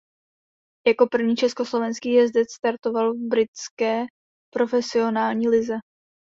Jako první československý jezdec startoval v britské profesionální lize.